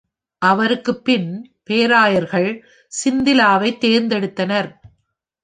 அவருக்குப் பின் பேராயர்கள் சிந்திலாவைத் தேர்ந்தெடுத்தனர்.